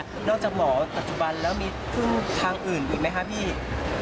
นอกจากหมอปัจจุบันแล้วมีพึ่งทางอื่นอีกไหมคะพี่